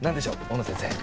大野先生。